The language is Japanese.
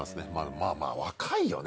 まあまあ若いよね